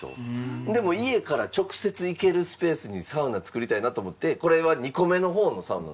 でも家から直接行けるスペースにサウナ作りたいなと思ってこれは２個目の方のサウナ。